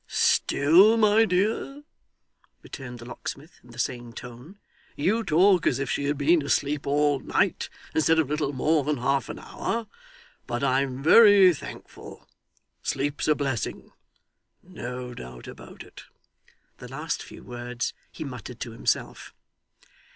'Still, my dear,' returned the locksmith in the same tone. 'You talk as if she had been asleep all night, instead of little more than half an hour. But I'm very thankful. Sleep's a blessing no doubt about it.' The last few words he muttered to himself.